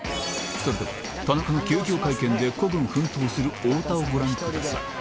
それでは、田中の休業会見で孤軍奮闘する太田をご覧ください。